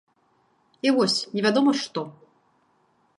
І вось, невядома што.